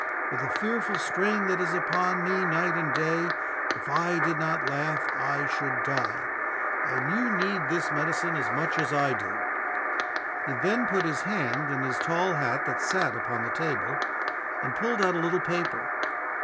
With the fearful strain that is upon me night and day, if I did not laugh I should die, and you need this medicine as much as I do.' "He then put his hand in his tall hat that sat upon the table, and pulled out a little paper.